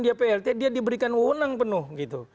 dia plt dia diberikan wewenang penuh gitu